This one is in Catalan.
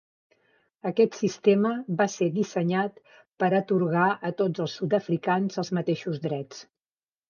Aquest sistema va ser dissenyat per atorgar a tots els sud-africans els mateixos drets.